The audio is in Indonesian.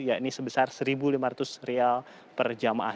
ya ini sebesar rp satu lima ratus per jamaah